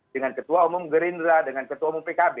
dengan ketua umum gerindra dengan ketua umum pkb